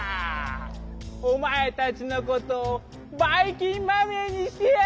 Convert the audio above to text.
おまえたちのことをバイきんまみれにしてやる！